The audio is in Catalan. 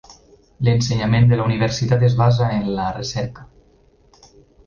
L'ensenyament de la universitat es basa en la recerca.